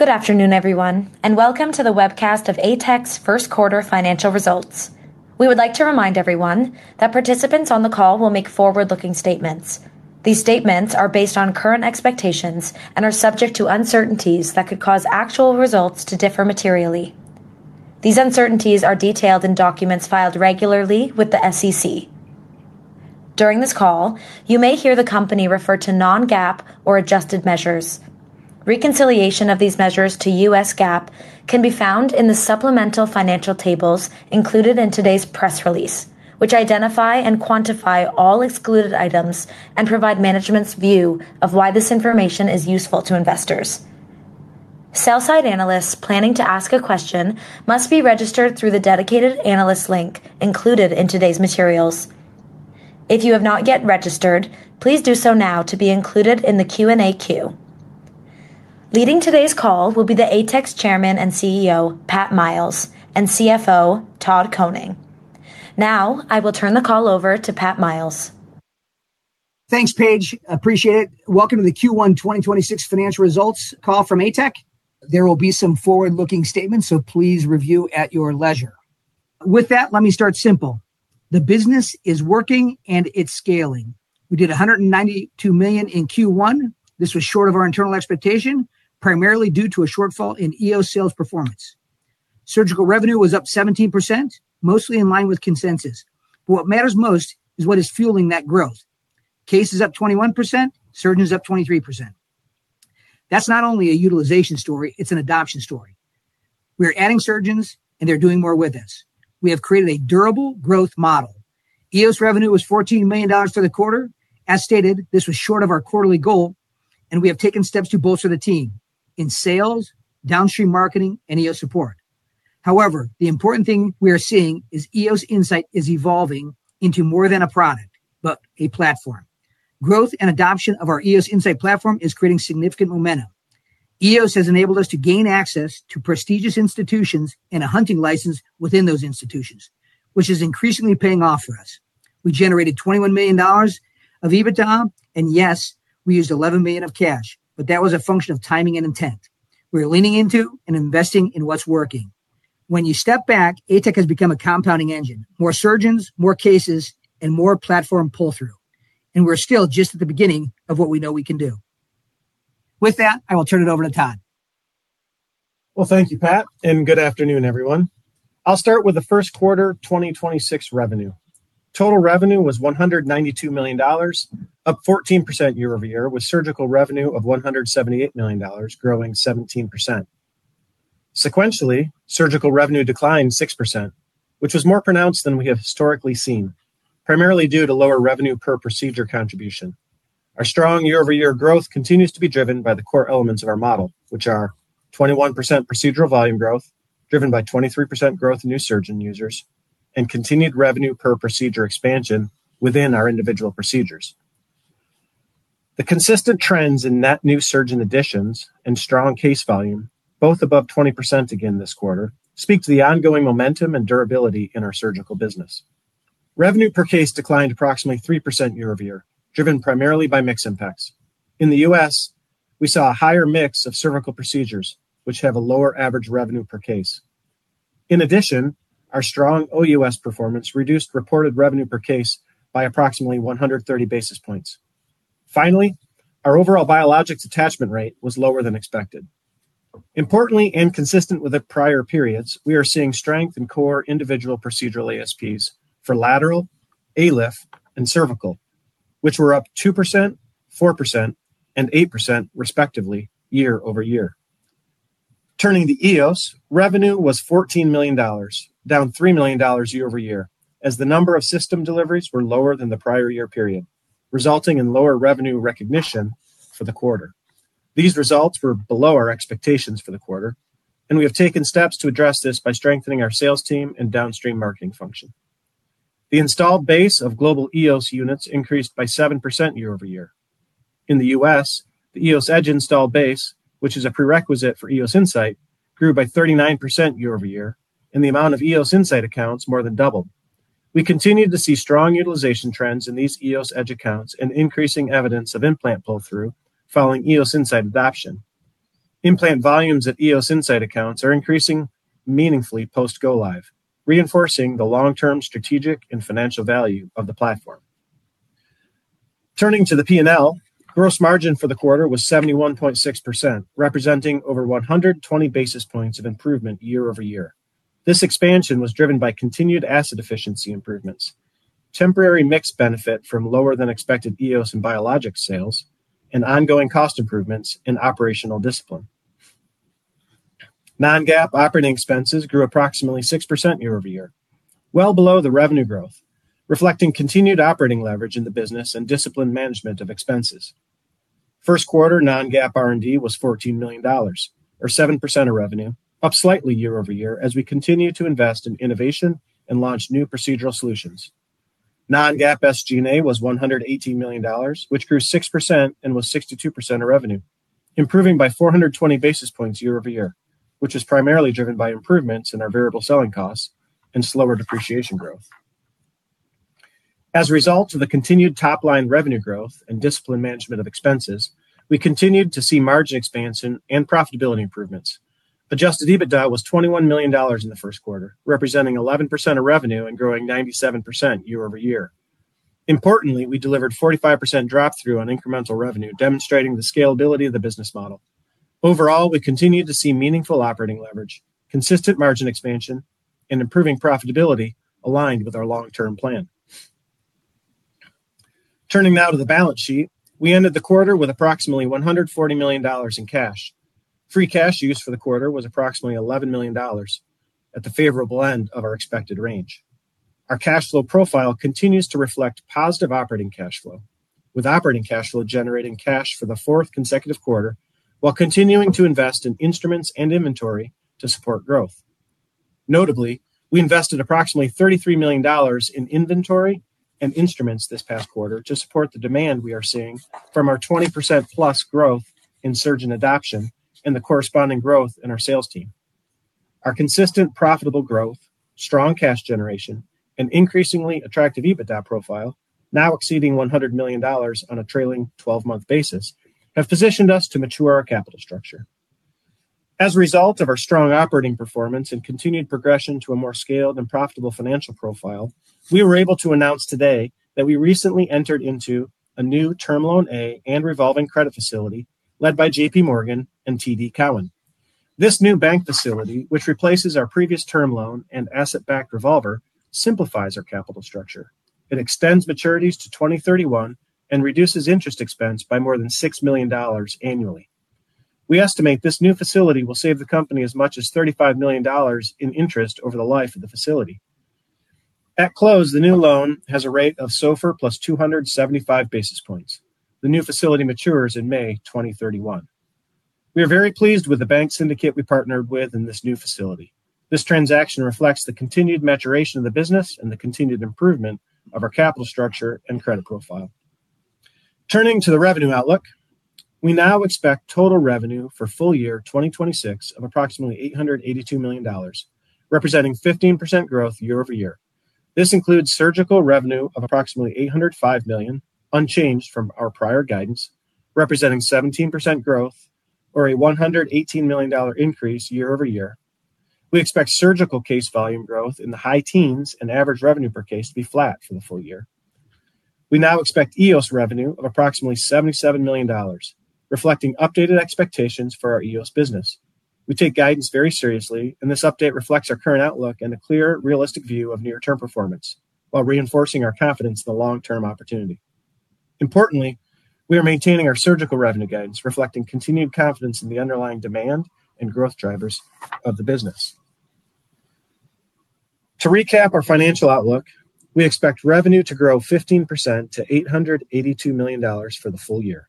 Good afternoon, everyone, and welcome to the webcast of ATEC's First Quarter Financial Results. We would like to remind everyone that participants on the call will make forward-looking statements. These statements are based on current expectations and are subject to uncertainties that could cause actual results to differ materially. These uncertainties are detailed in documents filed regularly with the SEC. During this call, you may hear the company refer to non-GAAP or adjusted measures. Reconciliation of these measures to U.S. GAAP can be found in the supplemental financial tables included in today's press release, which identify and quantify all excluded items and provide management's view of why this information is useful to investors. Sell-side analysts planning to ask a question must be registered through the dedicated analyst link included in today's materials. If you have not yet registered, please do so now to be included in the Q&A queue. Leading today's call will be the ATEC Chairman and CEO, Pat Miles, and CFO, Todd Koning. Now, I will turn the call over to Pat Miles. Thanks, Paige. Appreciate it. Welcome to the Q1 2026 financial results call from ATEC. There will be some forward-looking statements. Please review at your leisure. With that, let me start simple. The business is working, and it's scaling. We did $192 million in Q1. This was short of our internal expectation, primarily due to a shortfall in EOS sales performance. Surgical revenue was up 17%, mostly in line with consensus. What matters most is what is fueling that growth. Cases up 21%, surgeons up 23%. That's not only a utilization story. It's an adoption story. We are adding surgeons, and they're doing more with us. We have created a durable growth model. EOS revenue was $14 million for the quarter. As stated, this was short of our quarterly goal, and we have taken steps to bolster the team in sales, downstream marketing, and EOS support. However, the important thing we are seeing is EOSinsight is evolving into more than a product, but a platform. Growth and adoption of our EOSinsight platform is creating significant momentum. EOS has enabled us to gain access to prestigious institutions and a hunting license within those institutions, which is increasingly paying off for us. We generated $21 million of EBITDA, and yes, we used $11 million of cash, but that was a function of timing and intent. We are leaning into and investing in what's working. When you step back, ATEC has become a compounding engine. More surgeons, more cases, and more platform pull-through, and we're still just at the beginning of what we know we can do. With that, I will turn it over to Todd. Well, thank you, Pat, and good afternoon, everyone. I'll start with the first quarter 2026 revenue. Total revenue was $192 million, up 14% year-over-year, with surgical revenue of $178 million growing 17%. Sequentially, surgical revenue declined 6%, which was more pronounced than we have historically seen, primarily due to lower revenue per procedure contribution. Our strong year-over-year growth continues to be driven by the core elements of our model, which are 21% procedural volume growth, driven by 23% growth in new surgeon users and continued revenue per procedure expansion within our individual procedures. The consistent trends in net new surgeon additions and strong case volume, both above 20% again this quarter, speak to the ongoing momentum and durability in our surgical business. Revenue per case declined approximately 3% year-over-year, driven primarily by mix impacts. In the U.S., we saw a higher mix of cervical procedures, which have a lower average revenue per case. In addition, our strong OUS performance reduced reported revenue per case by approximately 130 basis points. Finally, our overall biologics attachment rate was lower than expected. Importantly, and consistent with the prior periods, we are seeing strength in core individual procedural ASPs for lateral, ALIF, and cervical, which were up 2%, 4%, and 8% respectively year-over-year. Turning to EOS, revenue was $14 million, down $3 million year-over-year, as the number of system deliveries were lower than the prior year period, resulting in lower revenue recognition for the quarter. These results were below our expectations for the quarter, and we have taken steps to address this by strengthening our sales team and downstream marketing function. The installed base of global EOSunits increased by 7% year-over-year. In the U.S., the EOSedge installed base, which is a prerequisite for EOSinsight, grew by 39% year-over-year, and the amount of EOSinsight accounts more than doubled. We continue to see strong utilization trends in these EOSedge accounts and increasing evidence of implant pull-through following EOSinsight adoption. Implant volumes at EOSinsight accounts are increasing meaningfully post-go-live, reinforcing the long-term strategic and financial value of the platform. Turning to the P&L, gross margin for the quarter was 71.6%, representing over 120 basis points of improvement year-over-year. This expansion was driven by continued asset efficiency improvements, temporary mix benefit from lower than expected EOS and biologics sales, and ongoing cost improvements in operational discipline. Non-GAAP operating expenses grew approximately 6% year-over-year, well below the revenue growth, reflecting continued operating leverage in the business and disciplined management of expenses. First quarter non-GAAP R&D was $14 million, or 7% of revenue, up slightly year-over-year as we continue to invest in innovation and launch new procedural solutions. Non-GAAP SG&A was $118 million, which grew 6% and was 62% of revenue, improving by 420 basis points year-over-year, which is primarily driven by improvements in our variable selling costs and slower depreciation growth. As a result of the continued top-line revenue growth and disciplined management of expenses, we continued to see margin expansion and profitability improvements. Adjusted EBITDA was $21 million in the first quarter, representing 11% of revenue and growing 97% year-over-year. Importantly, we delivered 45% drop through on incremental revenue, demonstrating the scalability of the business model. Overall, we continued to see meaningful operating leverage, consistent margin expansion, and improving profitability aligned with our long-term plan. Turning now to the balance sheet. We ended the quarter with approximately $140 million in cash. Free cash used for the quarter was approximately $11 million at the favorable end of our expected range. Our cash flow profile continues to reflect positive operating cash flow, with operating cash flow generating cash for the fourth consecutive quarter while continuing to invest in instruments and inventory to support growth. Notably, we invested approximately $33 million in inventory and instruments this past quarter to support the demand we are seeing from our 20%+ growth in surgeon adoption and the corresponding growth in our sales team. Our consistent profitable growth, strong cash generation, and increasingly attractive EBITDA profile, now exceeding $100 million on a trailing twelve-month basis, have positioned us to mature our capital structure. As a result of our strong operating performance and continued progression to a more scaled and profitable financial profile, we were able to announce today that we recently entered into a new term loan A and revolving credit facility led by J.P. Morgan and TD Cowen. This new bank facility, which replaces our previous term loan and asset-backed revolver, simplifies our capital structure. It extends maturities to 2031 and reduces interest expense by more than $6 million annually. We estimate this new facility will save the company as much as $35 million in interest over the life of the facility. At close, the new loan has a rate of SOFR plus 275 basis points. The new facility matures in May 2031. We are very pleased with the bank syndicate we partnered with in this new facility. This transaction reflects the continued maturation of the business and the continued improvement of our capital structure and credit profile. Turning to the revenue outlook. We now expect total revenue for full year 2026 of approximately $882 million, representing 15% growth year-over-year. This includes surgical revenue of approximately $805 million, unchanged from our prior guidance, representing 17% growth or a $118 million increase year-over-year. We expect surgical case volume growth in the high teens and average revenue per case to be flat for the full year. We now expect EOS revenue of approximately $77 million, reflecting updated expectations for our EOS business. We take guidance very seriously, and this update reflects our current outlook and a clear, realistic view of near-term performance while reinforcing our confidence in the long-term opportunity. Importantly, we are maintaining our surgical revenue guidance, reflecting continued confidence in the underlying demand and growth drivers of the business. To recap our financial outlook, we expect revenue to grow 15% to $882 million for the full year.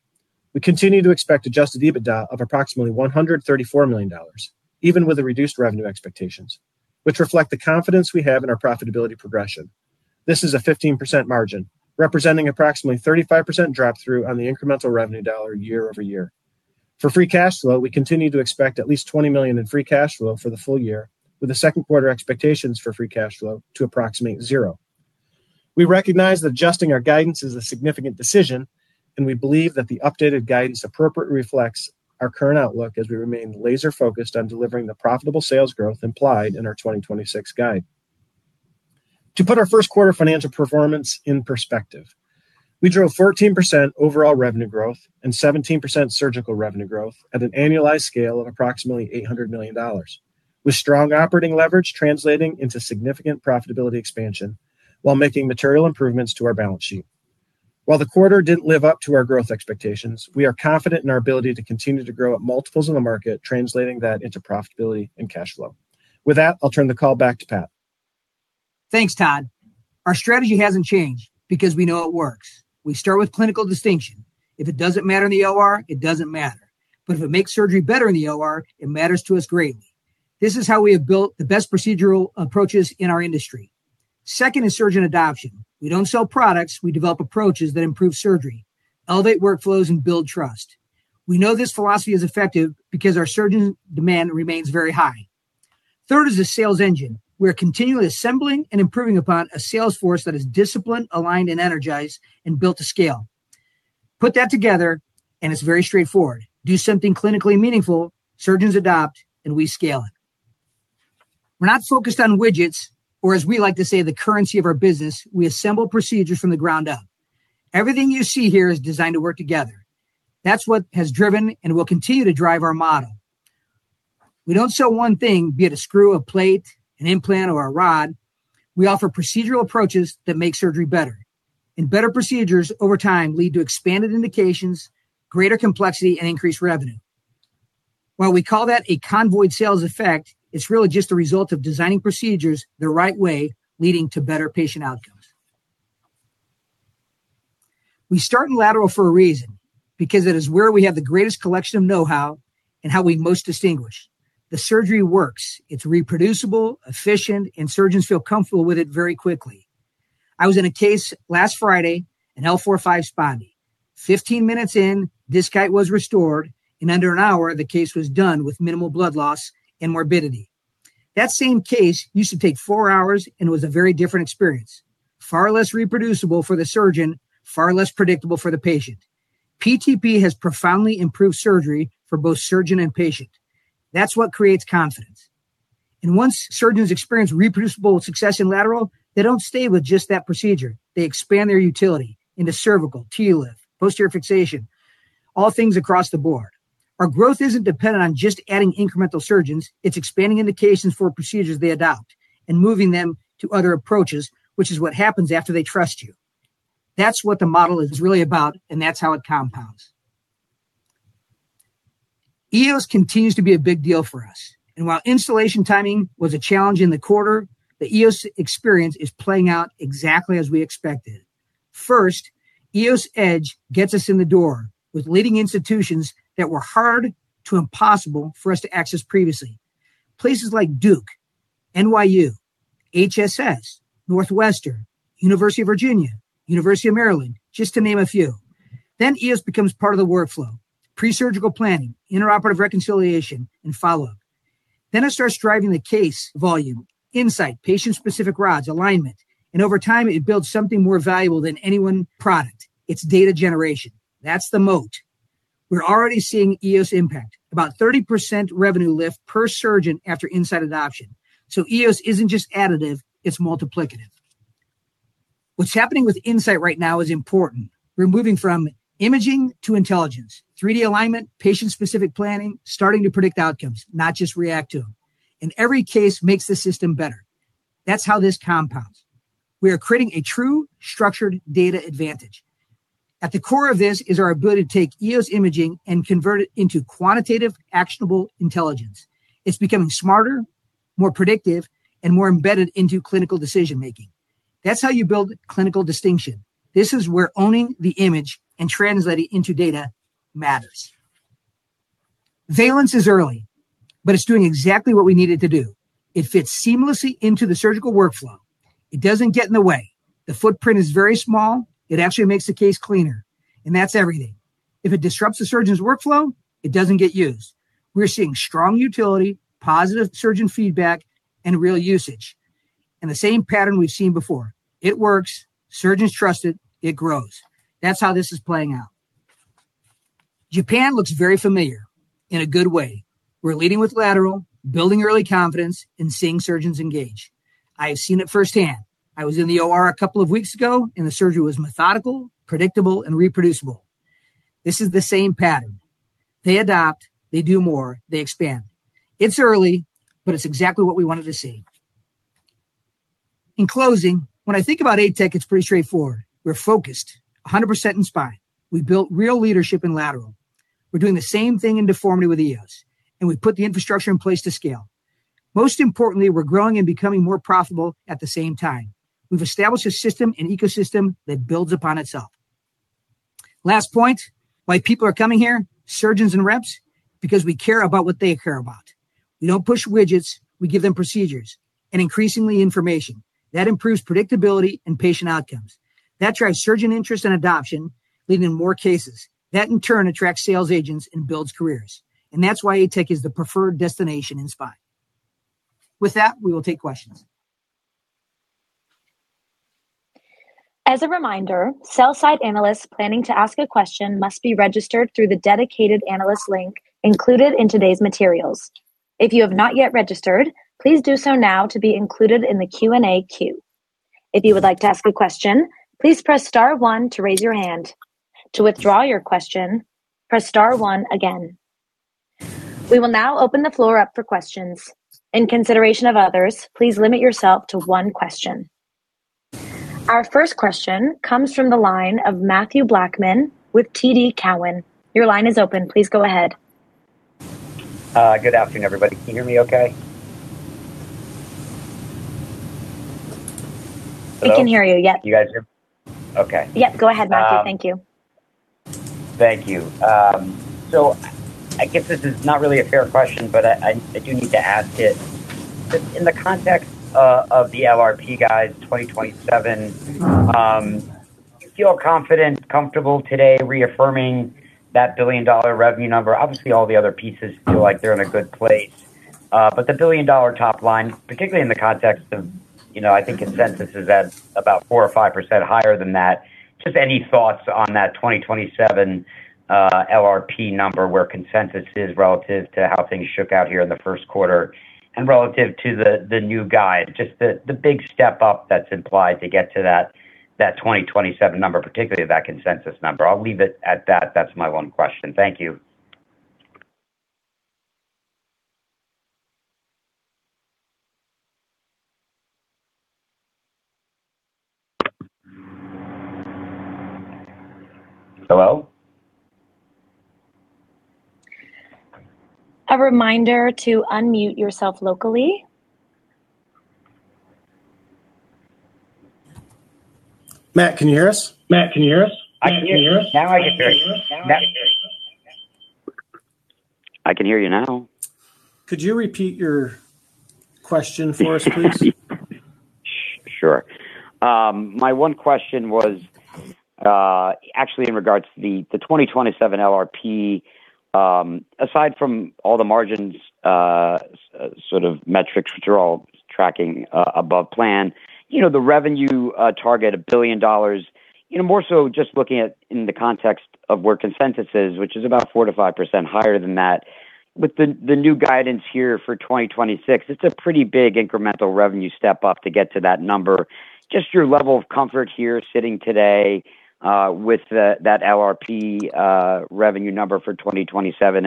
We continue to expect adjusted EBITDA of approximately $134 million, even with the reduced revenue expectations, which reflect the confidence we have in our profitability progression. This is a 15% margin, representing approximately 35% drop through on the incremental revenue dollar year-over-year. For free cash flow, we continue to expect at least $20 million in free cash flow for the full year, with the second quarter expectations for free cash flow to approximate 0. We recognize that adjusting our guidance is a significant decision, and we believe that the updated guidance appropriately reflects our current outlook as we remain laser-focused on delivering the profitable sales growth implied in our 2026 guide. To put our first quarter financial performance in perspective, we drove 14% overall revenue growth and 17% surgical revenue growth at an annualized scale of approximately $800 million, with strong operating leverage translating into significant profitability expansion while making material improvements to our balance sheet. While the quarter didn't live up to our growth expectations, we are confident in our ability to continue to grow at multiples of the market, translating that into profitability and cash flow. With that, I'll turn the call back to Pat. Thanks, Todd. Our strategy hasn't changed because we know it works. We start with clinical distinction. If it doesn't matter in the OR, it doesn't matter. If it makes surgery better in the OR, it matters to us greatly. This is how we have built the best procedural approaches in our industry. Second is surgeon adoption. We don't sell products. We develop approaches that improve surgery, elevate workflows, and build trust. We know this philosophy is effective because our surgeon demand remains very high. Third is the sales engine. We are continually assembling and improving upon a sales force that is disciplined, aligned, and energized, and built to scale. Put that together, it's very straightforward. Do something clinically meaningful, surgeons adopt, we scale it. We're not focused on widgets, as we like to say, the currency of our business. We assemble procedures from the ground up. Everything you see here is designed to work together. That's what has driven and will continue to drive our model. We don't sell 1 thing, be it a screw, a plate, an implant, or a rod. We offer procedural approaches that make surgery better. Better procedures over time lead to expanded indications, greater complexity, and increased revenue. While we call that a convoyed sales effect, it's really just a result of designing procedures the right way, leading to better patient outcomes. We start in lateral for a reason, because it is where we have the greatest collection of know-how and how we most distinguish. The surgery works. It's reproducible, efficient, and surgeons feel comfortable with it very quickly. I was in a case last Friday, an L4-5 spondy. 15 minutes in, disc height was restored. In under an hour, the case was done with minimal blood loss and morbidity. That same case used to take four hours and was a very different experience. Far less reproducible for the surgeon, far less predictable for the patient. PTP has profoundly improved surgery for both surgeon and patient. That's what creates confidence. Once surgeons experience reproducible success in lateral, they don't stay with just that procedure. They expand their utility into cervical, TLIF, posterior fixation, all things across the board. Our growth isn't dependent on just adding incremental surgeons, it's expanding indications for procedures they adopt and moving them to other approaches, which is what happens after they trust you. That's what the model is really about, and that's how it compounds. EOS continues to be a big deal for us. While installation timing was a challenge in the quarter, the EOS experience is playing out exactly as we expected. First, EOSedge gets us in the door with leading institutions that were hard to impossible for us to access previously. Places like Duke, NYU, HSS, Northwestern, University of Virginia, University of Maryland, just to name a few. EOS becomes part of the workflow, pre-surgical planning, intraoperative reconciliation, and follow-up. It starts driving the case volume, Insight, patient-specific rods, alignment, and over time, it builds something more valuable than anyone product. It's data generation. That's the moat. We're already seeing EOS impact. About 30% revenue lift per surgeon after Insight adoption. EOS isn't just additive, it's multiplicative. What's happening with Insight right now is important. We're moving from imaging to intelligence, 3D alignment, patient-specific planning, starting to predict outcomes, not just react to them. Every case makes the system better. That's how this compounds. We are creating a true structured data advantage. At the core of this is our ability to take EOS imaging and convert it into quantitative, actionable intelligence. It's becoming smarter, more predictive, and more embedded into clinical decision-making. That's how you build clinical distinction. This is where owning the image and translating into data matters. Valence is early, but it's doing exactly what we need it to do. It fits seamlessly into the surgical workflow. It doesn't get in the way. The footprint is very small. It actually makes the case cleaner, and that's everything. If it disrupts the surgeon's workflow, it doesn't get used. We're seeing strong utility, positive surgeon feedback, and real usage, and the same pattern we've seen before. It works, surgeons trust it grows. That's how this is playing out. Japan looks very familiar in a good way. We're leading with lateral, building early confidence, and seeing surgeons engage. I have seen it firsthand. I was in the OR two weeks ago, and the surgery was methodical, predictable, and reproducible. This is the same pattern. They adopt, they do more, they expand. It's early, but it's exactly what we wanted to see. In closing, when I think about ATEC, it's pretty straightforward. We're focused 100% in spine. We built real leadership in lateral. We're doing the same thing in deformity with EOS, and we've put the infrastructure in place to scale. Most importantly, we're growing and becoming more profitable at the same time. We've established a system and ecosystem that builds upon itself. Last point, why people are coming here, surgeons and reps, because we care about what they care about. We don't push widgets. We give them procedures and increasingly information. That improves predictability and patient outcomes. That drives surgeon interest and adoption, leading more cases. That in turn attracts sales agents and builds careers. That's why ATEC is the preferred destination in spine. With that, we will take questions. As a reminder, sell-side analysts planning to ask a question must be registered through the dedicated analyst link included in today's materials. If you have not yet registered, please do so now to be included in the Q&A queue. If you would like to ask a question, please press star one to raise your hand. To withdraw your question, press star one again. We will now open the floor up for questions. In consideration of others, please limit yourself to one question. Our first question comes from the line of Matthew Blackman with TD Cowen. Your line is open. Please go ahead. Good afternoon, everybody. Can you hear me okay? Hello? We can hear you, yes. You guys hear me? Okay. Yep. Go ahead, Matthew. Thank you. Thank you. I guess this is not really a fair question, I do need to ask it. In the context of the LRP guide 2027, do you feel confident, comfortable today reaffirming that billion-dollar revenue number? Obviously, all the other pieces feel like they're in a good place. The billion-dollar top line, particularly in the context of, you know, I think consensus is at about 4% or 5% higher than that. Just any thoughts on that 2027 LRP number where consensus is relative to how things shook out here in the first quarter and relative to the new guide? Just the big step up that's implied to get to that 2027 number, particularly that consensus number. I'll leave it at that. That's my one question. Thank you. Hello? A reminder to unmute yourself locally. Matt, can you hear us? I can hear you now. Could you repeat your question for us, please? Sure. My one question was actually in regards to the 2027 LRP. Aside from all the margins sort of metrics, which are all tracking above plan, you know, the revenue target $1 billion. You know, more so just looking at in the context of where consensus is, which is about 4%-5% higher than that. With the new guidance here for 2026, it's a pretty big incremental revenue step up to get to that number. Just your level of comfort here sitting today with that LRP revenue number for 2027.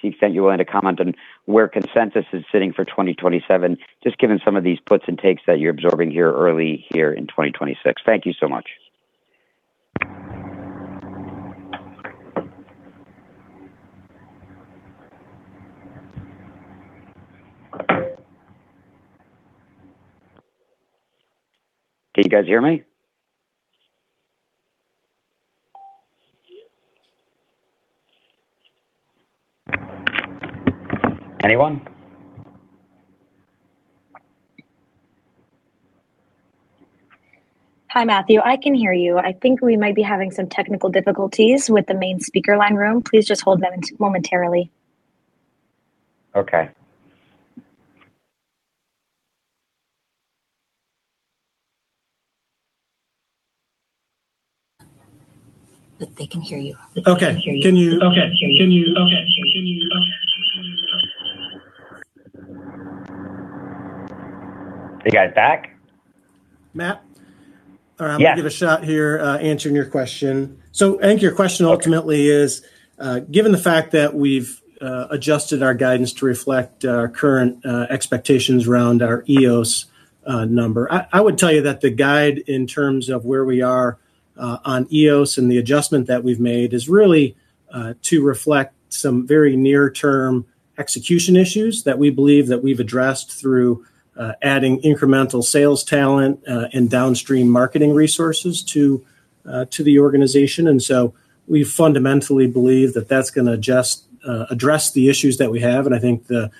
Since, if you're willing to comment on where consensus is sitting for 2027, just given some of these puts and takes that you're absorbing here early here in 2026. Thank you so much. Can you guys hear me? Anyone? Hi, Matthew. I can hear you. I think we might be having some technical difficulties with the main speaker line room. Please just hold momentarily. Okay. They can hear you. Okay. Can you guys back? Matt? Yeah. I'm gonna give a shot here, answering your question. I think your question ultimately is, given the fact that we've adjusted our guidance to reflect our current expectations around our EOS number. I would tell you that the guide in terms of where we are on EOS and the adjustment that we've made is really to reflect some very near-term execution issues that we believe that we've addressed through adding incremental sales talent and downstream marketing resources to the organization. We fundamentally believe that that's gonna address the issues that we have. I think the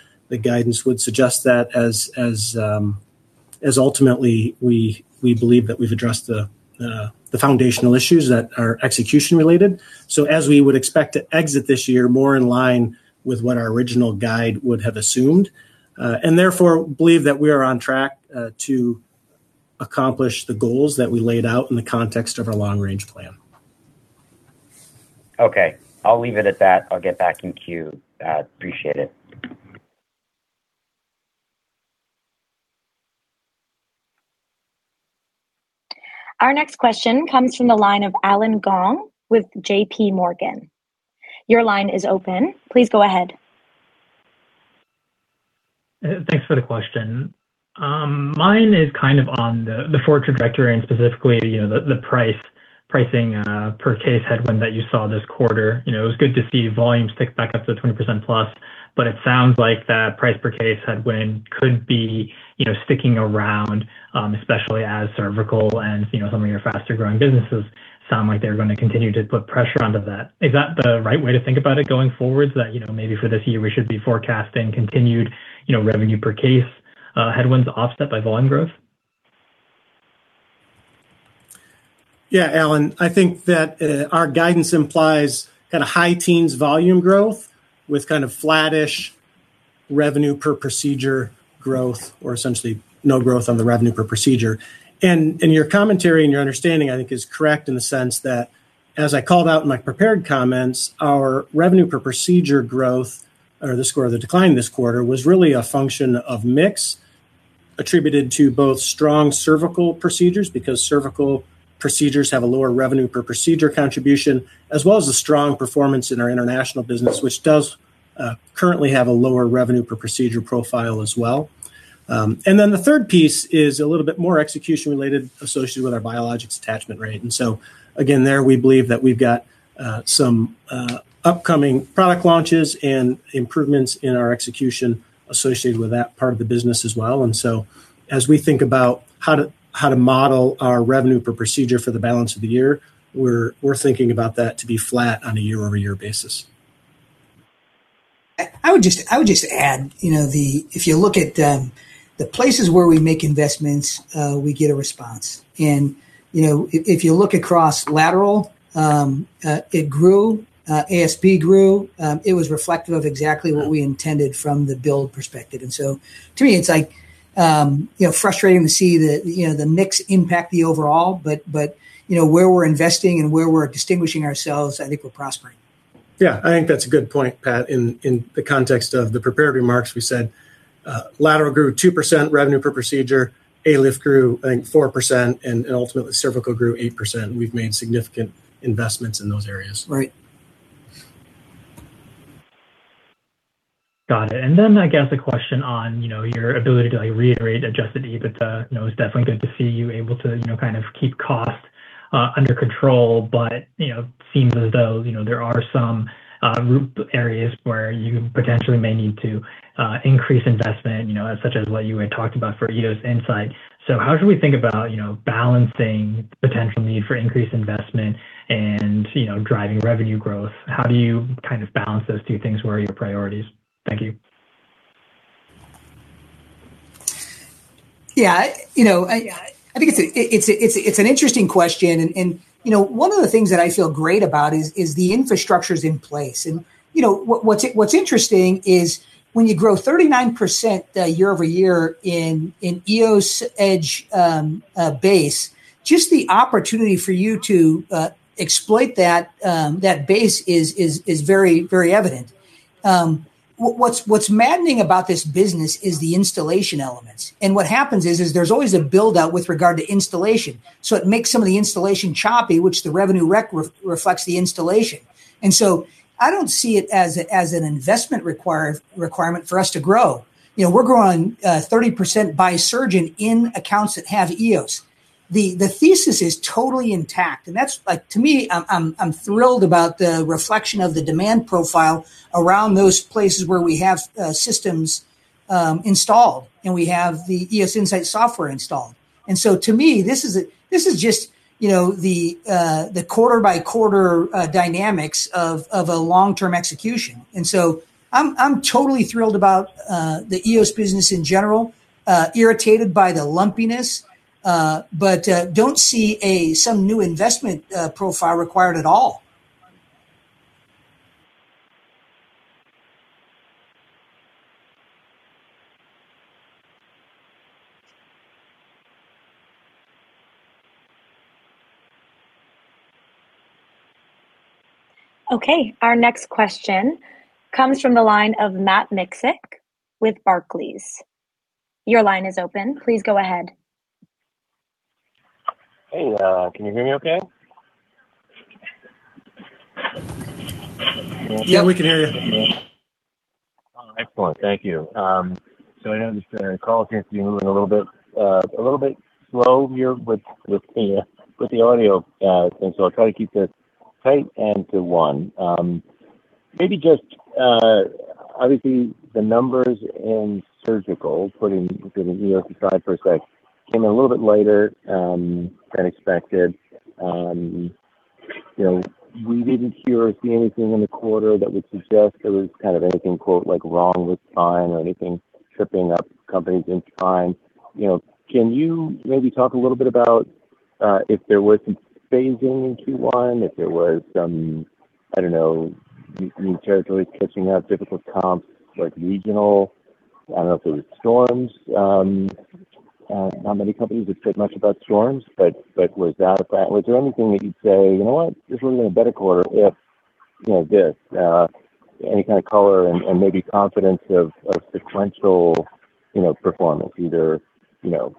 guidance would suggest that as ultimately we believe that we've addressed the foundational issues that are execution related. As we would expect to exit this year more in line with what our original guide would have assumed, and therefore believe that we are on track to accomplish the goals that we laid out in the context of our long-range plan. Okay. I'll leave it at that. I'll get back in queue. Appreciate it. Our next question comes from the line of Allen Gong with J.P. Morgan. Your line is open. Please go ahead. Thanks for the question. Mine is kind of on the forward trajectory and specifically, you know, the price, pricing per case headwind that you saw this quarter. You know, it was good to see volume tick back up to 20% plus, but it sounds like that price per case headwind could be, you know, sticking around, especially as cervical and, you know, some of your faster growing businesses sound like they're going to continue to put pressure onto that. Is that the right way to think about it going forward? That, you know, maybe for this year we should be forecasting continued, you know, revenue per case headwinds offset by volume growth? Yeah, Allen, I think that our guidance implies kind of high teens volume growth with kind of flattish revenue per procedure growth or essentially no growth on the revenue per procedure. Your commentary and your understanding, I think, is correct in the sense that, as I called out in my prepared comments, our revenue per procedure growth or the score of the decline this quarter was really a function of mix attributed to both strong cervical procedures, because cervical procedures have a lower revenue per procedure contribution, as well as a strong performance in our international business, which does currently have a lower revenue per procedure profile as well. Then the third piece is a little bit more execution related associated with our biologics attachment rate. Again, there, we believe that we've got some upcoming product launches and improvements in our execution associated with that part of the business as well. As we think about how to model our revenue per procedure for the balance of the year, we're thinking about that to be flat on a year-over-year basis. I would just add, you know, if you look at the places where we make investments, we get a response. You know, if you look across lateral, it grew, ASP grew. It was reflective of exactly what we intended from the build perspective. To me, it's like, you know, frustrating to see the, you know, the mix impact the overall. You know, where we're investing and where we're distinguishing ourselves, I think we're prospering. Yeah, I think that's a good point, Pat. In the context of the prepared remarks, we said, lateral grew 2% revenue per procedure, ALIF grew, I think 4% and ultimately cervical grew 8%. We've made significant investments in those areas. Right. Got it. I guess a question on, you know, your ability to like reiterate adjusted EBITDA. It's definitely good to see you able to, you know, kind of keep costs under control. Seems as though, you know, there are some root areas where you potentially may need to increase investment, you know, such as what you had talked about for EOSinsight. How should we think about, you know, balancing potential need for increased investment and, you know, driving revenue growth? How do you kind of balance those two things? Where are your priorities? Thank you. Yeah. You know, I think it's a, it's a, it's an interesting question and, you know, one of the things that I feel great about is the infrastructure's in place. You know, what's, what's interesting is when you grow 39% year-over-year in EOSedge base, just the opportunity for you to exploit that base is, is very, very evident. What, what's maddening about this business is the installation elements. What happens is there's always a build-out with regard to installation, so it makes some of the installation choppy, which the revenue rec reflects the installation. I don't see it as a, as an investment requirement for us to grow. You know, we're growing 30% by surgeon in accounts that have EOS. The thesis is totally intact, that's. Like, to me, I'm thrilled about the reflection of the demand profile around those places where we have systems installed, and we have the EOSinsight software installed. To me, this is just, you know, the quarter-by-quarter dynamics of a long-term execution. I'm totally thrilled about the EOS business in general, irritated by the lumpiness, but don't see some new investment profile required at all. Okay. Our next question comes from the line of Matt Miksic with Barclays. Your line is open. Please go ahead. Hey, can you hear me okay? Yeah, we can hear you. All right. Excellent. Thank you. I know this call seems to be moving a little bit slow here with the audio, I'll try to keep this tight and to one. Maybe just obviously the numbers in surgical, putting EOS aside for a sec, came in a little bit lighter than expected. You know, we didn't hear or see anything in the quarter that would suggest there was kind of anything, quote, like, wrong with spine or anything tripping up companies in ATEC Spine. You know, can you maybe talk a little bit about if there was some phasing in Q1, if there was some, I don't know, any territories catching up, difficult comps like regional? I don't know if there was storms. Not many companies would say much about storms, but was there anything that you'd say, "You know what? This would've been a better quarter if, you know, this." Any kind of color and maybe confidence of sequential, you know, performance, either, you know,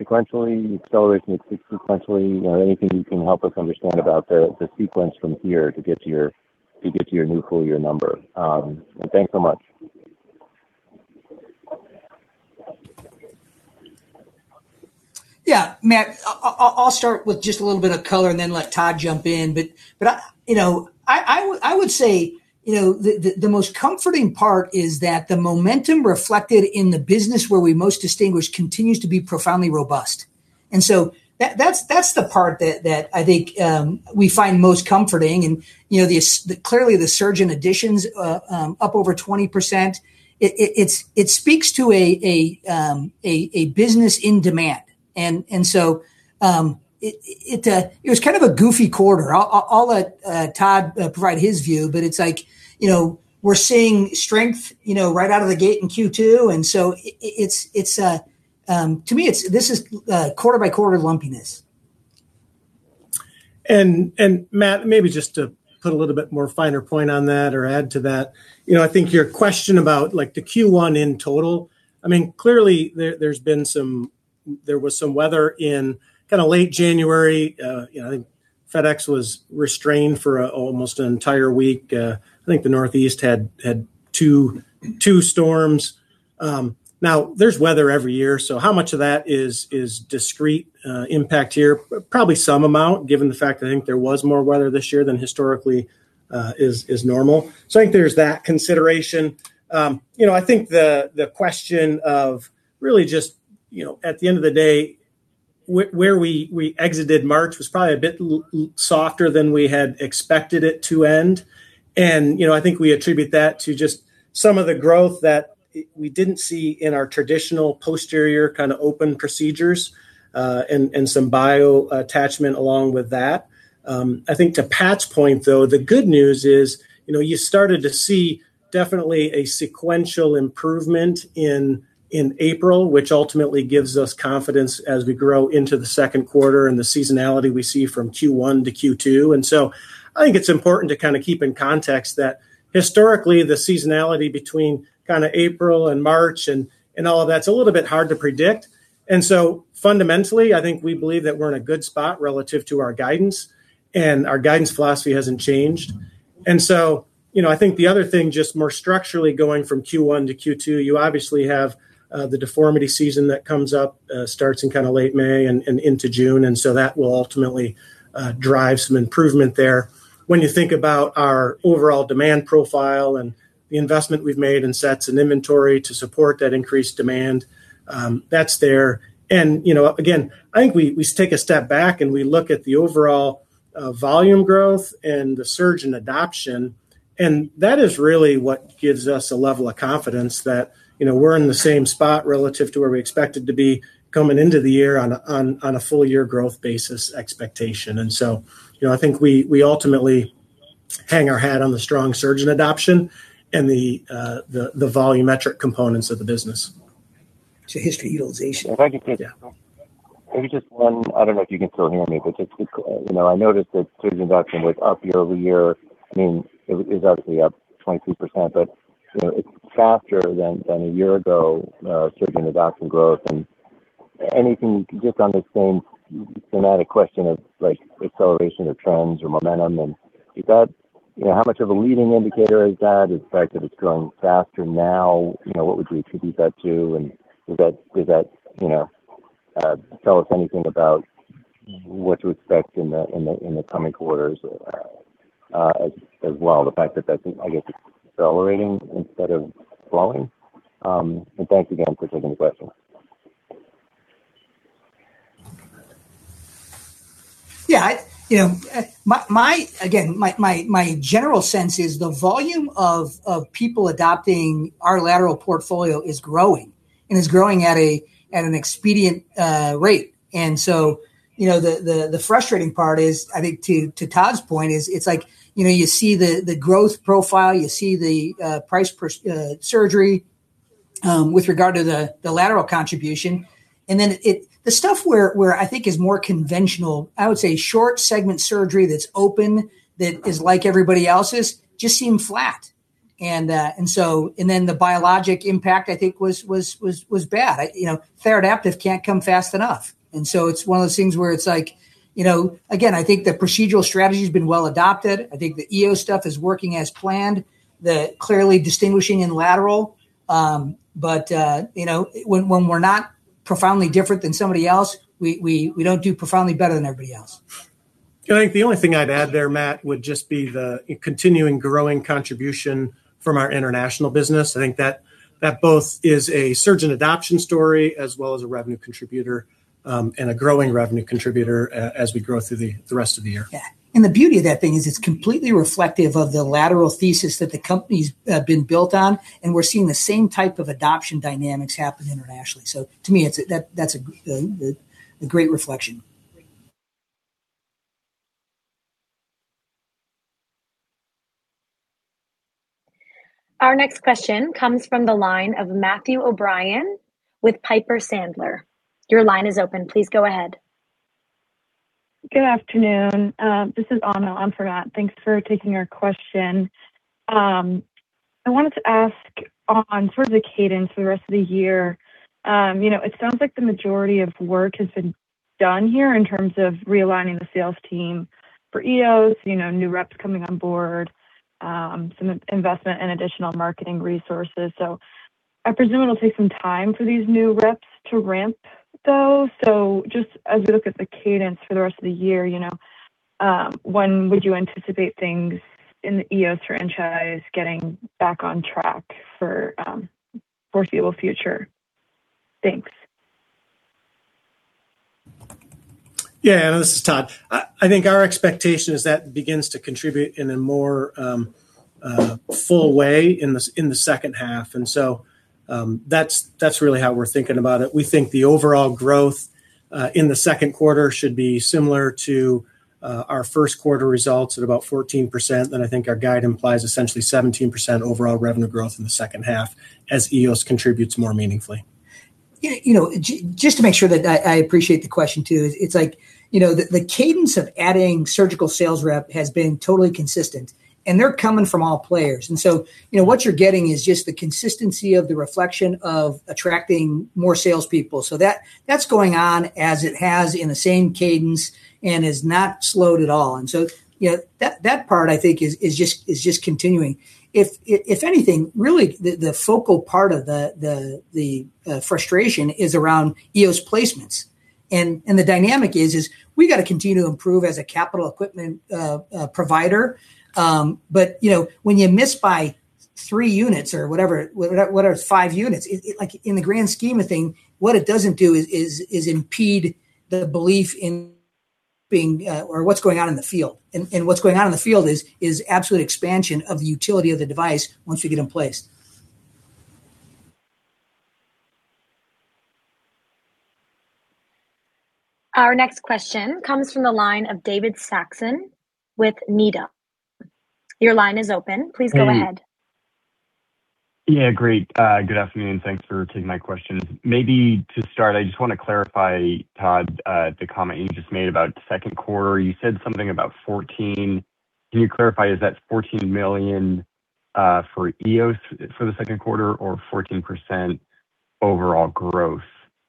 sequentially, acceleration sequentially, you know, anything you can help us understand about the sequence from here to get to your new full year number. Thanks so much. Yeah. Matt, I'll start with just a little bit of color and then let Todd jump in. I, you know, I would say, you know, the most comforting part is that the momentum reflected in the business where we most distinguish continues to be profoundly robust. That's the part that I think we find most comforting. You know, clearly the surgeon additions up over 20%, it speaks to a business in demand. It was kind of a goofy quarter. I'll let Todd provide his view, but it's like, you know, we're seeing strength, you know, right out of the gate in Q2. It's to me it's this is quarter-by-quarter lumpiness. Matt, maybe just to put a little bit more finer point on that or add to that, you know, I think your question about, like, the Q1 in total, I mean, clearly there was some weather in kinda late January. You know, I think FedEx was restrained for almost an entire week. I think the Northeast had 2 storms. Now there's weather every year, so how much of that is discrete impact here? Probably some amount, given the fact I think there was more weather this year than historically, is normal. I think there's that consideration. You know, I think the question of really just, you know, at the end of the day, where we exited March was probably a bit softer than we had expected it to end. You know, I think we attribute that to just some of the growth that we didn't see in our traditional posterior kinda open procedures and some bio attachment along with that. I think to Pat's point though, the good news is, you know, you started to see definitely a sequential improvement in April, which ultimately gives us confidence as we grow into the second quarter and the seasonality we see from Q1 to Q2. I think it's important to kinda keep in context that historically the seasonality between kinda April and March and all of that's a little bit hard to predict. Fundamentally, I think we believe that we're in a good spot relative to our guidance, and our guidance philosophy hasn't changed. You know, I think the other thing just more structurally going from Q1 to Q2, you obviously have the deformity season that comes up, starts in kinda late May and into June. That will ultimately, drive some improvement there. When you think about our overall demand profile and the investment we've made in sets and inventory to support that increased demand, that's there. You know, again, I think we take a step back and we look at the overall volume growth and the surgeon adoption. That is really what gives us a level of confidence that, you know, we're in the same spot relative to where we expected to be coming into the year on a full year growth basis expectation. I think we ultimately hang our hat on the strong surgeon adoption and the volumetric components of the business. To history utilization. Yeah. If I could take, maybe just 1, I don't know if you can still hear me, but just, you know, I noticed that surgeon adoption was up year-over-year. I mean, it was obviously up 22%, but, you know, it's faster than a year ago, surgeon adoption growth. Anything just on the same thematic question of like acceleration of trends or momentum, and is that, you know, how much of a leading indicator is that, the fact that it's growing faster now? You know, what would we attribute that to? Does that, you know, tell us anything about what to expect in the coming quarters as well? The fact that that's, I guess, accelerating instead of slowing. Thanks again for taking the question. Yeah. I, you know, Again, my general sense is the volume of people adopting our lateral portfolio is growing and is growing at an expedient rate. You know, the frustrating part is, I think to Todd's point is it's like, you know, you see the growth profile, you see the price per surgery with regard to the lateral contribution. The stuff where I think is more conventional, I would say short segment surgery that's open that is like everybody else's just seem flat. The biologic impact I think was bad. You know, Thera-adaptive can't come fast enough. It's one of those things where it's like, you know, again, I think the procedural strategy's been well adopted. I think the EOS stuff is working as planned, the clearly distinguishing and lateral. You know, when we're not profoundly different than somebody else, we don't do profoundly better than everybody else. I think the only thing I'd add there, Matt, would just be the continuing growing contribution from our international business. I think that both is a surgeon adoption story as well as a revenue contributor and a growing revenue contributor as we grow through the rest of the year. Yeah. The beauty of that thing is it's completely reflective of the lateral thesis that the company's been built on, and we're seeing the same type of adoption dynamics happen internationally. To me, that's a great reflection. Our next question comes from the line of Matthew O'Brien with Piper Sandler. Your line is open. Please go ahead. Good afternoon. This is Anna Andreeva. Thanks for taking our question. I wanted to ask on sort of the cadence for the rest of the year. You know, it sounds like the majority of work has been done here in terms of realigning the sales team for EOS, you know, new reps coming on board, some investment and additional marketing resources. I presume it'll take some time for these new reps to ramp, though. Just as we look at the cadence for the rest of the year, you know, when would you anticipate things in the EOS franchise getting back on track for foreseeable future? Thanks. This is Todd. I think our expectation is that begins to contribute in a more full way in the second half. That's really how we're thinking about it. We think the overall growth in the second quarter should be similar to our first quarter results at about 14%. I think our guide implies essentially 17% overall revenue growth in the second half as EOS contributes more meaningfully. Yeah. You know, just to make sure that I appreciate the question, too. It's like, you know, the cadence of adding surgical sales rep has been totally consistent, and they're coming from all players. You know, what you're getting is just the consistency of the reflection of attracting more salespeople. That's going on as it has in the same cadence and has not slowed at all. You know, that part I think is just continuing. If anything, really the focal part of the frustration is around EOS placements. The dynamic is we gotta continue to improve as a capital equipment provider. You know, when you miss by 3 units or whatever, what are 5 units? It like, in the grand scheme of thing, what it doesn't do is impede the belief in being, or what's going on in the field. What's going on in the field is absolute expansion of the utility of the device once we get them placed. Our next question comes from the line of David Saxon with Needham. Your line is open. Hey. Please go ahead. Yeah, great. Good afternoon. Thanks for taking my questions. Maybe to start, I just wanna clarify, Todd, the comment you just made about second quarter. You said something about 14. Can you clarify, is that $14 million for EOS for the second quarter or 14% overall growth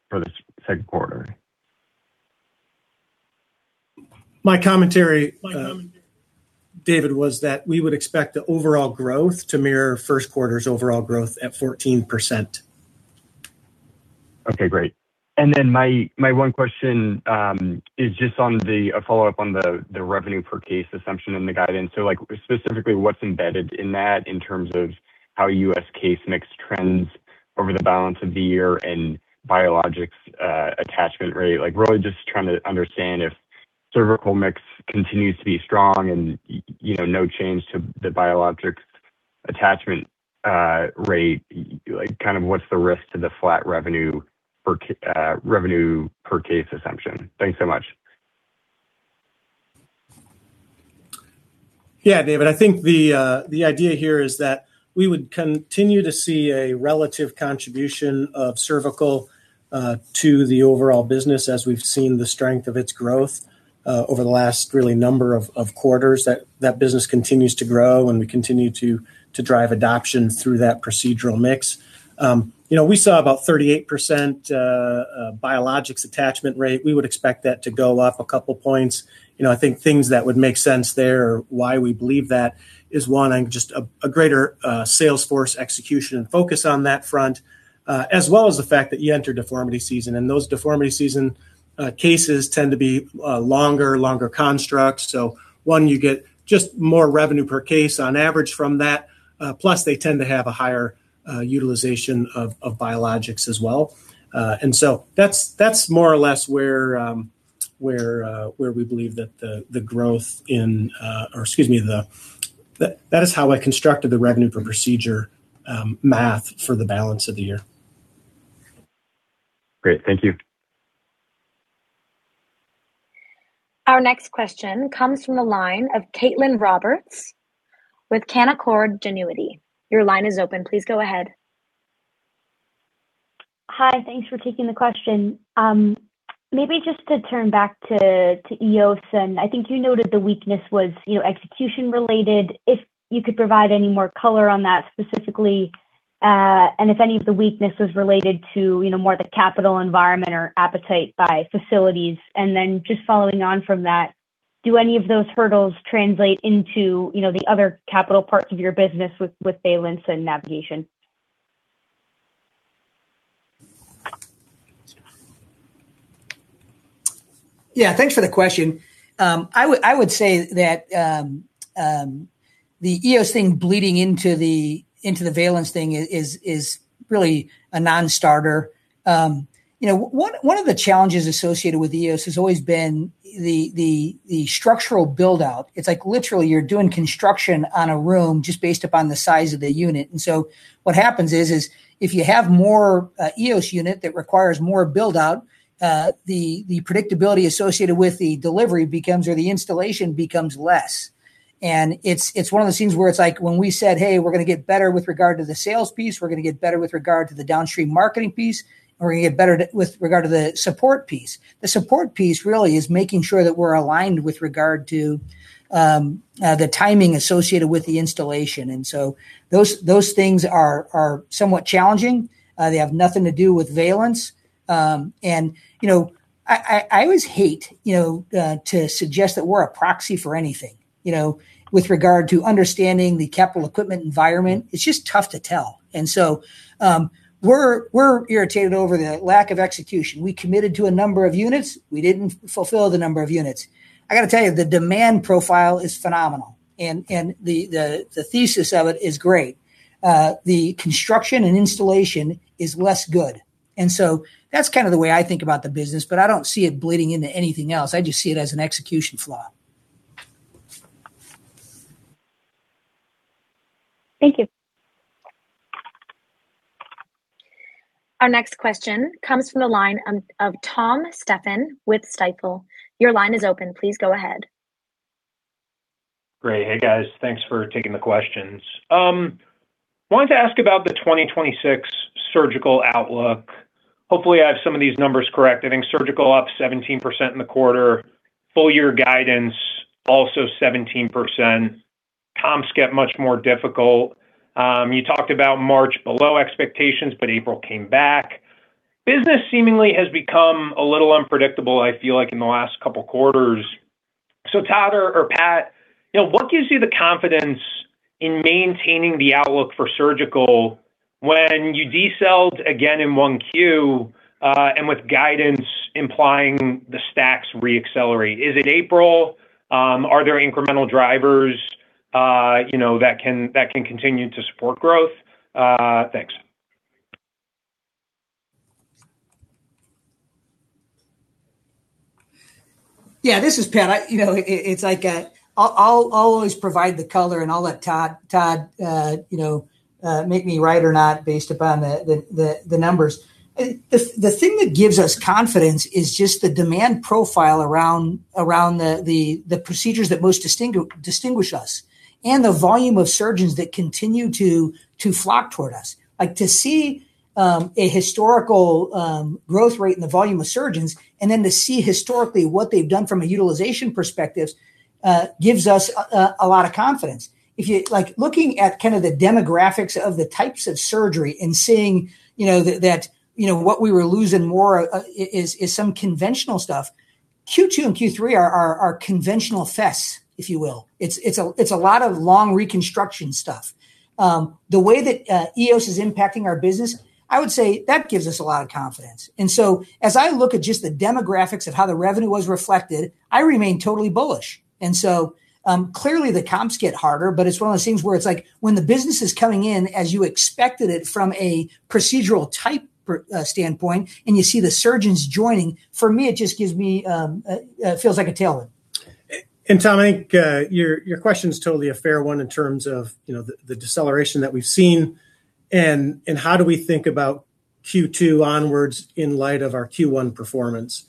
for the second quarter? My commentary, David, was that we would expect the overall growth to mirror first quarter's overall growth at 14%. Okay, great. My one question is just on a follow-up on the revenue per case assumption in the guidance. Specifically what's embedded in that in terms of how U.S. case mix trends over the balance of the year and biologics attachment rate. Really just trying to understand if cervical mix continues to be strong and you know, no change to the biologics attachment rate. Kind of what's the risk to the flat revenue per revenue per case assumption? Thanks so much. Yeah, David, I think the idea here is that we would continue to see a relative contribution of cervical to the overall business, as we've seen the strength of its growth over the last really number of quarters that business continues to grow and we continue to drive adoption through that procedural mix. You know, we saw about 38% biologics attachment rate. We would expect that to go up a couple points. You know, I think things that would make sense there are why we believe that is one, just a greater sales force execution and focus on that front. As well as the fact that you enter deformity season, and those deformity season cases tend to be longer constructs. One, you get just more revenue per case on average from that. Plus they tend to have a higher utilization of biologics as well. That's more or less were we believe the gross or excuse me, that is how I constructed the revenue per procedure ,Matt for the balance of the year. Great. Thank you. Our next question comes from the line of Caitlin Roberts with Canaccord Genuity. Your line is open. Please go ahead. Hi. Thanks for taking the question. Maybe just to turn back to EOS, I think you noted the weakness was, you know, execution related, if you could provide any more color on that specifically. If any of the weakness was related to, you know, more the capital environment or appetite by facilities. Just following on from that, do any of those hurdles translate into, you know, the other capital parts of your business with Valence and navigation? Yeah. Thanks for the question. I would say that the EOS thing bleeding into the Valence thing is really a non-starter. You know, one of the challenges associated with EOS has always been the structural build-out. It's like literally you're doing construction on a room just based upon the size of the unit. What happens is if you have more EOSunit that requires more build-out, the predictability associated with the delivery becomes or the installation becomes less. It's one of those things where it's like when we said, "Hey, we're gonna get better with regard to the sales piece, we're gonna get better with regard to the downstream marketing piece, and we're gonna get better with regard to the support piece." The support piece really is making sure that we're aligned with regard to the timing associated with the installation. Those things are somewhat challenging. They have nothing to do with Valence. You know, I always hate, you know, to suggest that we're a proxy for anything. You know, with regard to understanding the capital equipment environment, it's just tough to tell. We're irritated over the lack of execution. We committed to a number of units, we didn't fulfill the number of units. I gotta tell you, the demand profile is phenomenal and the thesis of it is great. The construction and installation is less good. That's kind of the way I think about the business, but I don't see it bleeding into anything else. I just see it as an execution flaw. Thank you. Our next question comes from the line of Thomas Stephan with Stifel. Your line is open. Please go ahead. Great. Hey, guys. Thanks for taking the questions. I wanted to ask about the 2026 surgical outlook. Hopefully, I have some of these numbers correct. I think surgical up 17% in the quarter, full year guidance also 17%. Comps get much more difficult. You talked about March below expectations, but April came back. Business seemingly has become a little unpredictable, I feel like in the last couple quarters. Todd or Pat, you know, what gives you the confidence in maintaining the outlook for surgical when you decelerated again in 1Q, and with guidance implying the stacks re-accelerate? Is it April? Are there incremental drivers, you know, that can continue to support growth? Thanks. Yeah, this is Pat. I, you know, it's like, I'll, I'll always provide the color and I'll let Todd, you know, make me right or not based upon the numbers. The thing that gives us confidence is just the demand profile around the procedures that most distinguish us and the volume of surgeons that continue to flock toward us. Like to see a historical growth rate in the volume of surgeons and then to see historically what they've done from a utilization perspectives, gives us a lot of confidence. If you Like looking at kind of the demographics of the types of surgery and seeing, you know, that, you know, what we were losing more is some conventional stuff. Q2 and Q3 are conventional fests, if you will. It's a lot of long reconstruction stuff. The way that EOS is impacting our business, I would say that gives us a lot of confidence. As I look at just the demographics of how the revenue was reflected, I remain totally bullish. Clearly the comps get harder, but it's one of those things where it's like when the business is coming in as you expected it from a procedural type standpoint and you see the surgeons joining, for me it just gives me, it feels like a tailwind. Tom, I think your question's totally a fair one in terms of, you know, the deceleration that we've seen and how do we think about Q2 onwards in light of our Q1 performance.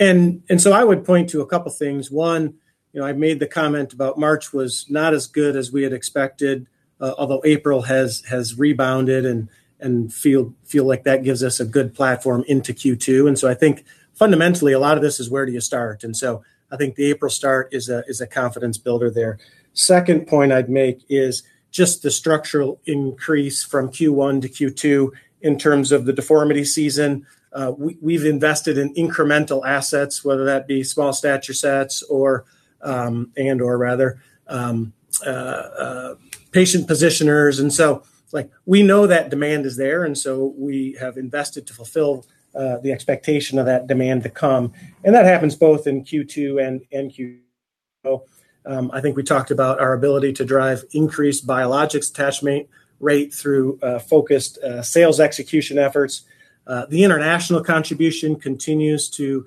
I would point to a couple things. One, you know, I made the comment about March was not as good as we had expected, although April has rebounded and feel like that gives us a good platform into Q2. I think fundamentally, a lot of this is where do you start? I think the April start is a confidence builder there. Second point I'd make is just the structural increase from Q1 to Q2 in terms of the deformity season. We've invested in incremental assets, whether that be small stature sets or, and/or rather, patient positioners. Like, we know that demand is there, so we have invested to fulfill the expectation of that demand to come. That happens both in Q2 and in Q3. I think we talked about our ability to drive increased biologics attachment rate through focused sales execution efforts. The international contribution continues to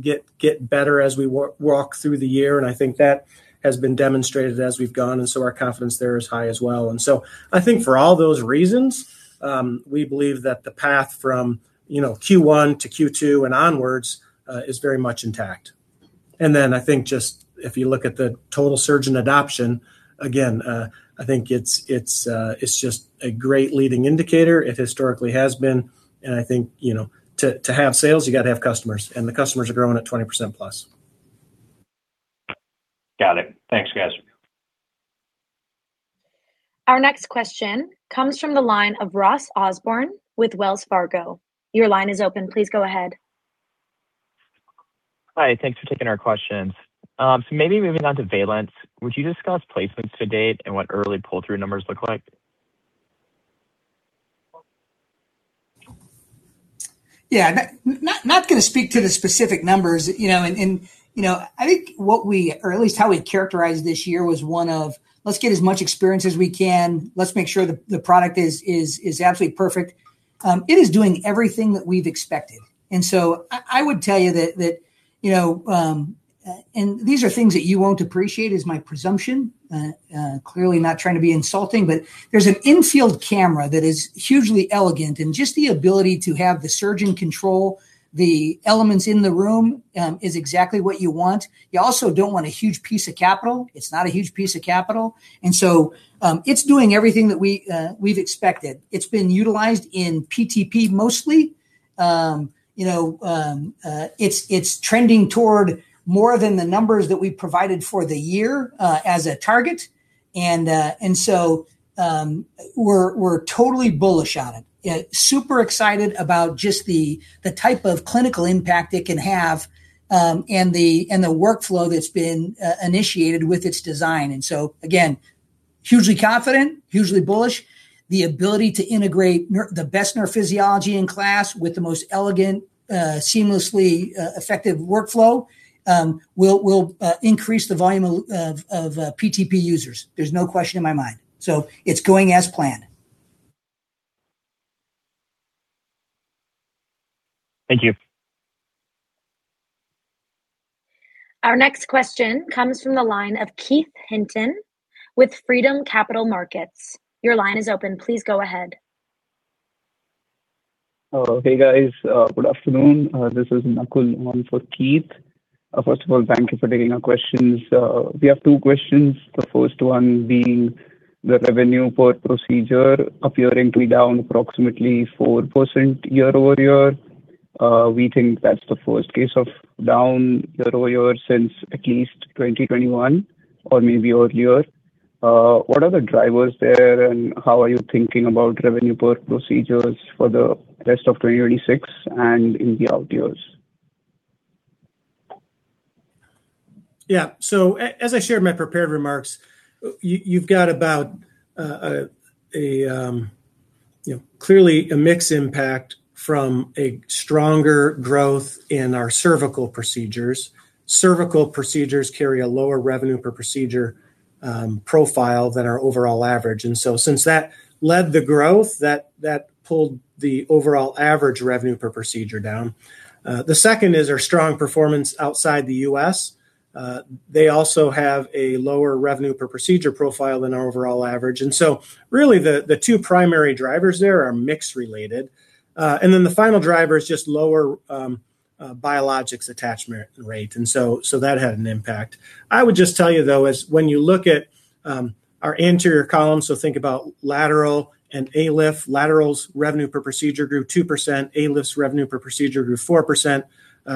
get better as we walk through the year, and I think that has been demonstrated as we've gone, and so our confidence there is high as well. I think for all those reasons, we believe that the path from, you know, Q1 to Q2 and onwards, is very much intact. I think just if you look at the total surgeon adoption, again, I think it's just a great leading indicator. It historically has been, and I think, you know, to have sales, you gotta have customers, and the customers are growing at 20% plus. Got it. Thanks, guys. Our next question comes from the line of Ross Osborn with Wells Fargo. Your line is open. Please go ahead. Hi. Thanks for taking our questions. Maybe moving on to Valence, would you discuss placements to date and what early pull-through numbers look like? Yeah. Not, not gonna speak to the specific numbers, you know. You know, I think what we or at least how we characterized this year was one of, let's get as much experience as we can. Let's make sure the product is absolutely perfect. It is doing everything that we've expected. I would tell you that, you know, these are things that you won't appreciate is my presumption. Clearly not trying to be insulting, there's an infield camera that is hugely elegant, and just the ability to have the surgeon control the elements in the room, is exactly what you want. You also don't want a huge piece of capital. It's not a huge piece of capital. It's doing everything that we've expected. It's been utilized in PTP mostly. You know, it's trending toward more than the numbers that we provided for the year as a target. We're totally bullish on it. Super excited about just the type of clinical impact it can have and the workflow that's been initiated with its design. Again, hugely confident, hugely bullish. The ability to integrate the best neurophysiology in class with the most elegant, seamlessly effective workflow will increase the volume of PTP users. There's no question in my mind. It's going as planned. Thank you. Our next question comes from the line of Keith Hinton with Freedom Capital Markets. Your line is open. Please go ahead. Hey, guys. Good afternoon. This is Nakul on for Keith. First of all, thank you for taking our questions. We have two questions. The first one being the revenue per procedure appearing to be down approximately 4% year-over-year. We think that's the first case of down year-over-year since at least 2021 or maybe earlier. What are the drivers there, and how are you thinking about revenue per procedures for the rest of 2026 and in the out years? As I shared my prepared remarks, you've got about, you know, clearly a mix impact from a stronger growth in our cervical procedures. Cervical procedures carry a lower revenue per procedure profile than our overall average. Since that led the growth, that pulled the overall average revenue per procedure down. The second is our strong performance outside the U.S. They also have a lower revenue per procedure profile than our overall average. Really, the two primary drivers there are mix related. Then the final driver is just lower biologics attachment rate, so that had an impact. I would just tell you though is when you look at our anterior column, so think about lateral and ALIF. Lateral's revenue per procedure grew 2%. ALIF's revenue per procedure grew 4%.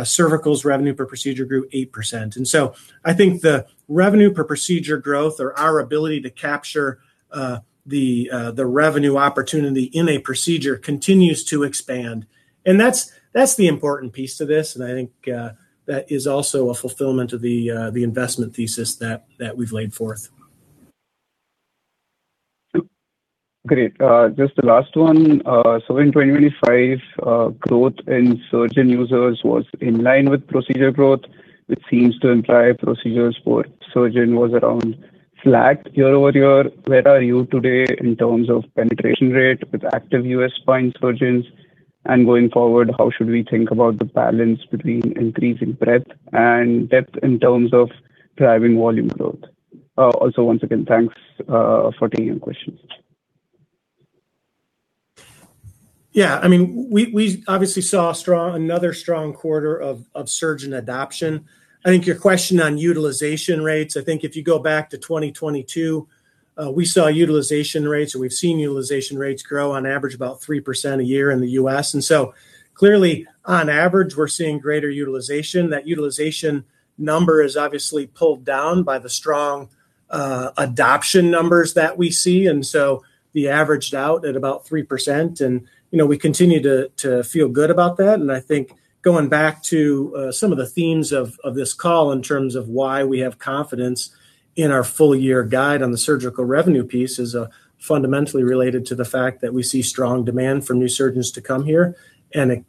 Cervical's revenue per procedure grew 8%. I think the revenue per procedure growth or our ability to capture the revenue opportunity in a procedure continues to expand. That's the important piece to this, and I think that is also a fulfillment of the investment thesis that we've laid forth. Great. Just the last one. In 2025, growth in surgeon users was in line with procedure growth, which seems to imply procedures for surgeon was around flat year-over-year. Where are you today in terms of penetration rate with active U.S. spine surgeons? Going forward, how should we think about the balance between increasing breadth and depth in terms of driving volume growth? Also, once again, thanks for taking the questions. Yeah. I mean, we obviously saw a strong, another strong quarter of surgeon adoption. I think your question on utilization rates, I think if you go back to 2022, we saw utilization rates, or we've seen utilization rates grow on average about 3% a year in the U.S. Clearly, on average, we're seeing greater utilization. That utilization number is obviously pulled down by the strong adoption numbers that we see, we averaged out at about 3%. You know, we continue to feel good about that. I think going back to some of the themes of this call in terms of why we have confidence in our full year guide on the surgical revenue piece is fundamentally related to the fact that we see strong demand from new surgeons to come here and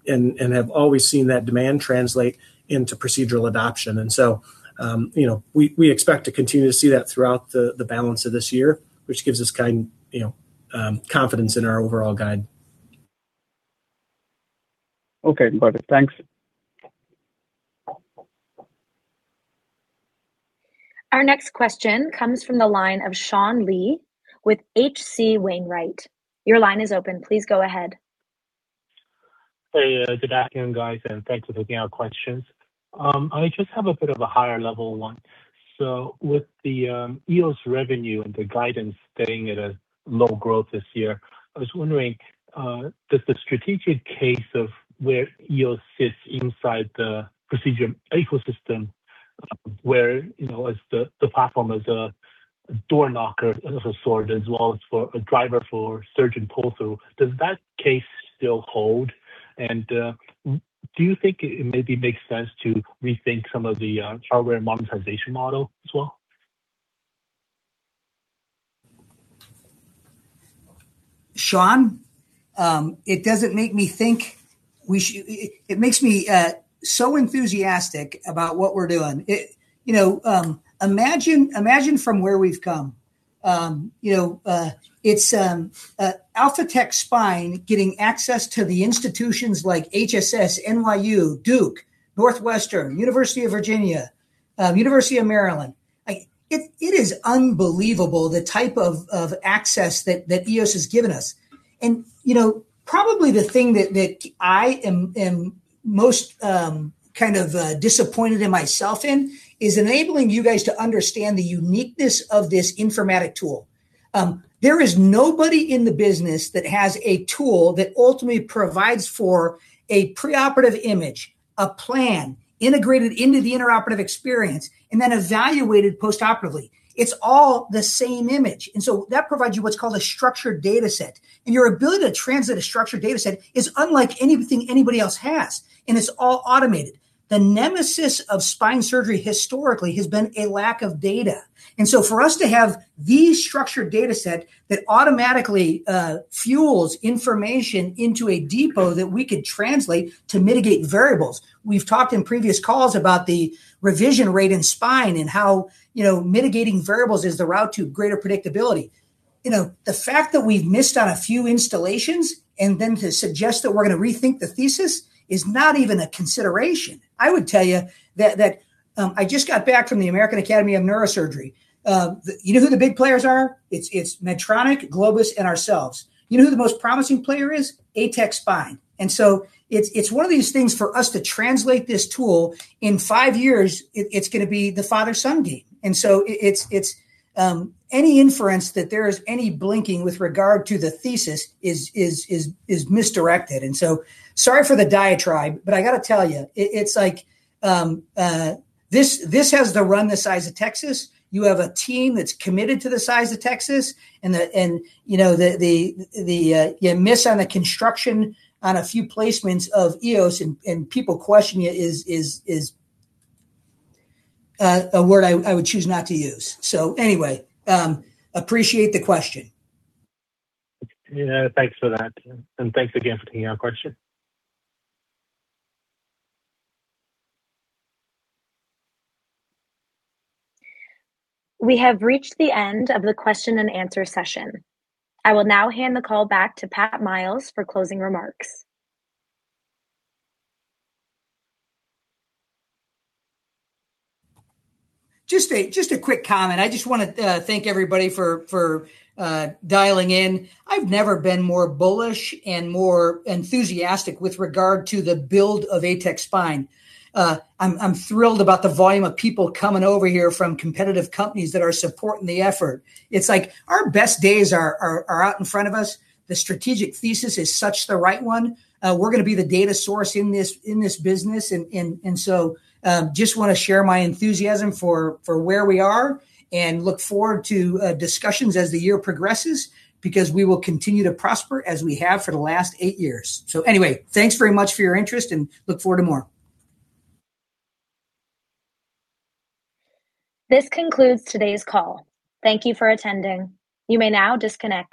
have always seen that demand translate into procedural adoption. You know, we expect to continue to see that throughout the balance of this year, which gives us guide, you know, confidence in our overall guide. Okay. Got it. Thanks. Our next question comes from the line of Sean Lee with H.C. Wainwright. Your line is open. Please go ahead. Hey, good afternoon, guys, thanks for taking our questions. I just have a bit of a higher level one. With the EOS revenue and the guidance staying at a low growth this year, I was wondering, does the strategic case of where EOS sits inside the procedure ecosystem where, you know, as the platform as a door knocker of a sort, as well as for a driver for surgeon pull-through, does that case still hold? Do you think it maybe makes sense to rethink some of the hardware monetization model as well? Sean, it doesn't make me think. It makes me so enthusiastic about what we're doing. You know, imagine from where we've come. You know, it's Alphatec Spine getting access to the institutions like HSS, NYU, Duke, Northwestern, University of Virginia, University of Maryland. Like, it is unbelievable the type of access that EOS has given us. You know, probably the thing that I am most kind of disappointed in myself in is enabling you guys to understand the uniqueness of this informatic tool. There is nobody in the business that has a tool that ultimately provides for a preoperative image, a plan integrated into the intraoperative experience and then evaluated postoperatively. It's all the same image. That provides you what's called a structured data set. Your ability to translate a structured data set is unlike anything anybody else has, and it's all automated. The nemesis of spine surgery historically has been a lack of data. For us to have the structured data set that automatically fuels information into a depot that we could translate to mitigate variables. We've talked in previous calls about the revision rate in spine and how, you know, mitigating variables is the route to greater predictability. You know, the fact that we've missed on a few installations and then to suggest that we're gonna rethink the thesis is not even a consideration. I would tell you that I just got back from the American Academy of Neurological Surgery. You know who the big players are? It's Medtronic, Globus Medical, and ourselves. You know who the most promising player is? ATEC Spine. It's one of these things for us to translate this tool. In five years, it's going to be the father-son game. It's any inference that there is any blinking with regard to the thesis is misdirected. Sorry for the diatribe, but I gotta tell you, it's like, this has the room the size of Texas. You have a team that's committed to the size of Texas and, you know, you miss on a construction on a few placements of EOS and people questioning it is a word I would choose not to use. Anyway, appreciate the question. Yeah, thanks for that. Thanks again for taking our question. We have reached the end of the question and answer session. I will now hand the call back to Pat Miles for closing remarks. Just a quick comment. I just wanna thank everybody for dialing in. I've never been more bullish and more enthusiastic with regard to the build of ATEC Spine. I'm thrilled about the volume of people coming over here from competitive companies that are supporting the effort. It's like our best days are out in front of us. The strategic thesis is such the right one. We're gonna be the data source in this business. Just wanna share my enthusiasm for where we are and look forward to discussions as the year progresses, because we will continue to prosper as we have for the last eight years. Anyway, thanks very much for your interest and look forward to more. This concludes today's call. Thank you for attending. You may now disconnect.